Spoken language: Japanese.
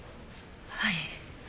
はい。